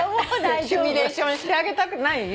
シミュレーションしてあげたくない？